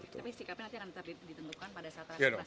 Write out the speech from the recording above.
tapi sikapnya nanti akan ditentukan pada saat terakhir